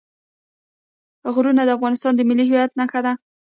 غرونه د افغانستان د ملي هویت نښه ده.